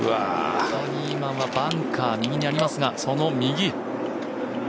ニーマンはバンカー、右にありますが、その右。